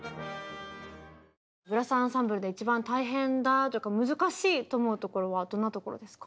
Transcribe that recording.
ブラスアンサンブルで一番大変だ難しいと思うところはどんなところですか？